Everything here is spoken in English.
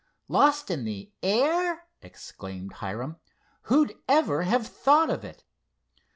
"Lost in the air!" exclaimed Hiram—"who'd ever have thought of it!"